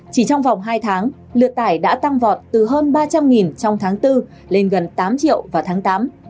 chỉ trong vòng hai tháng lượt tải đã tăng vọt từ hơn ba trăm linh trong tháng bốn lên gần tám triệu vào tháng tám